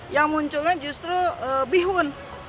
yang munculnya justru bihun